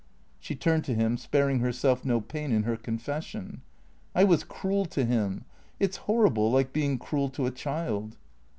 She turned to him, sparing herself no pain in her confession. " I was cruel to him. It 's horrible, like being cruel to a child."